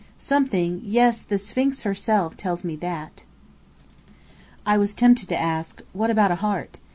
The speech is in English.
Something yes, the Sphinx herself! tells me that." I was tempted to ask "What about a heart?"